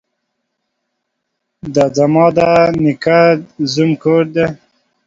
ده ځما ده نيکه ده زوم کور دې.